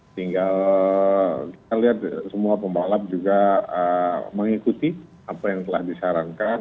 tinggal kita lihat semua pembalap juga mengikuti apa yang telah disarankan